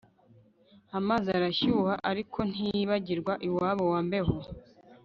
amazi arashyuha ariko ntiyibagirwa iwabo wa mbeho